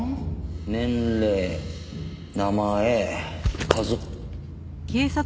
年齢名前家族。